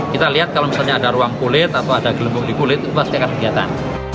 kita lihat kalau misalnya ada ruang kulit atau ada gelembung di kulit itu pasti akan kegiatan